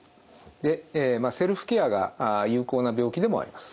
でセルフケアが有効な病気でもあります。